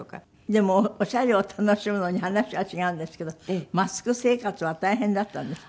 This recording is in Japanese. でもオシャレを楽しむのに話は違うんですけどマスク生活は大変だったんですって？